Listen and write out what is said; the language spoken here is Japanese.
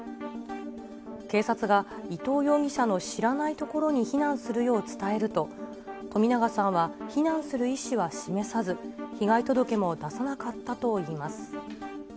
警察が伊藤容疑者の知らないところに避難するよう伝えると、冨永さんは、避難する意思は示さず、被害届も出さなかったといいます。